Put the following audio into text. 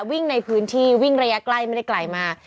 วิ่งในพื้นที่วิ่งระยะใกล้ไม่ได้ไกลมาก